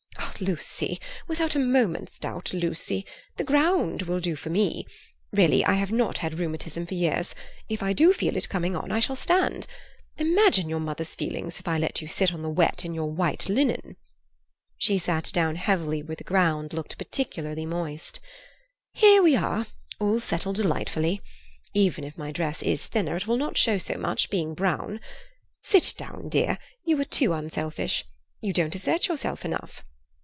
"Lucy; without a moment's doubt, Lucy. The ground will do for me. Really I have not had rheumatism for years. If I do feel it coming on I shall stand. Imagine your mother's feelings if I let you sit in the wet in your white linen." She sat down heavily where the ground looked particularly moist. "Here we are, all settled delightfully. Even if my dress is thinner it will not show so much, being brown. Sit down, dear; you are too unselfish; you don't assert yourself enough."